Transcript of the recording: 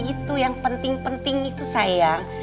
itu yang penting penting itu sayang